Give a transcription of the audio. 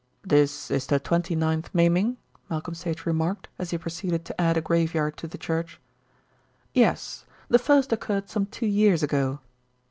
"This is the twenty ninth maiming?" Malcolm Sage remarked, as he proceeded to add a graveyard to the church. "Yes, the first occurred some two years ago."